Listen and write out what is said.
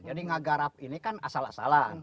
jadi ngegarap ini kan asal asalan